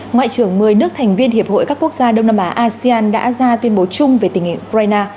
ngoại trưởng một mươi nước thành viên hiệp hội các quốc gia đông nam á asean đã ra tuyên bố chung về tình hình ukraine